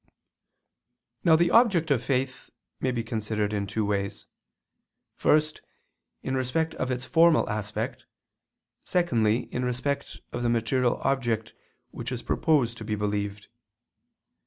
Now the object of faith may be considered in two ways: first, in respect of its formal aspect; secondly, in respect of the material object which is proposed to be believed.